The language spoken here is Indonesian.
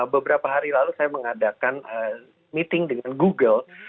beberapa hari lalu saya mengadakan meeting dengan google